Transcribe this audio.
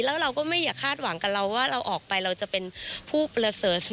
แล้วเราก็ไม่อย่าคาดหวังกับเราว่าเราออกไปเราจะเป็นผู้ประเสริฐ